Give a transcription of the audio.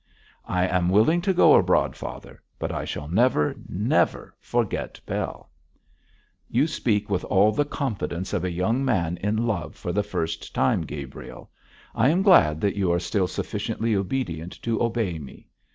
'I am willing to go abroad, father, but I shall never, never forget Bell!' 'You speak with all the confidence of a young man in love for the first time, Gabriel. I am glad that you are still sufficiently obedient to obey me.